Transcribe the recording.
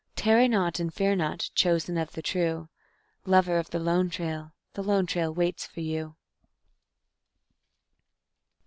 Tarry not, and fear not, chosen of the true; Lover of the Lone Trail, the Lone Trail waits for you.